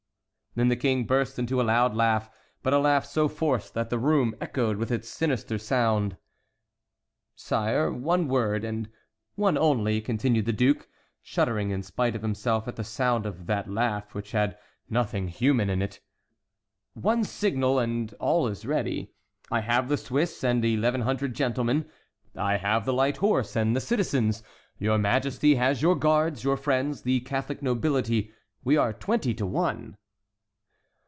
And the King burst into a loud laugh, but a laugh so forced that the room echoed with its sinister sound. "Sire, one word—and one only," continued the duke, shuddering in spite of himself at the sound of that laugh, which had nothing human in it,—"one signal, and all is ready. I have the Swiss and eleven hundred gentlemen; I have the light horse and the citizens; your Majesty has your guards, your friends, the Catholic nobility. We are twenty to one."